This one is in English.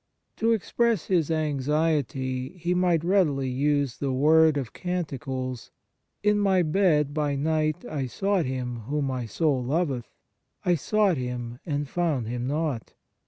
To express his anxiety he might readily use the word of Can ticles :" In my bed by night I sought Him whom my soul loveth : I sought Him, and found Him not.